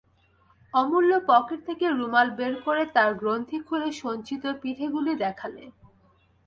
অমূল্য পকেট থেকে রুমাল বের করে তার গ্রন্থি খুলে সঞ্চিত পিঠেগুলি দেখালে।